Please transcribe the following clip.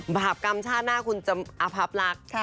บาปกรรมชาติหน้าคุณจะอภับลักษณ์